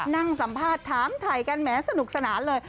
นั่งสัมภาษณ์ถามถ่ายกันแม้สนุกสนานเลย